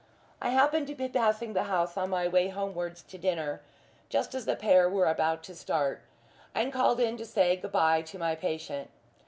I happened to be passing the house on my way homewards to dinner, just as the pair were about to start, and called in to say good bye to my patient.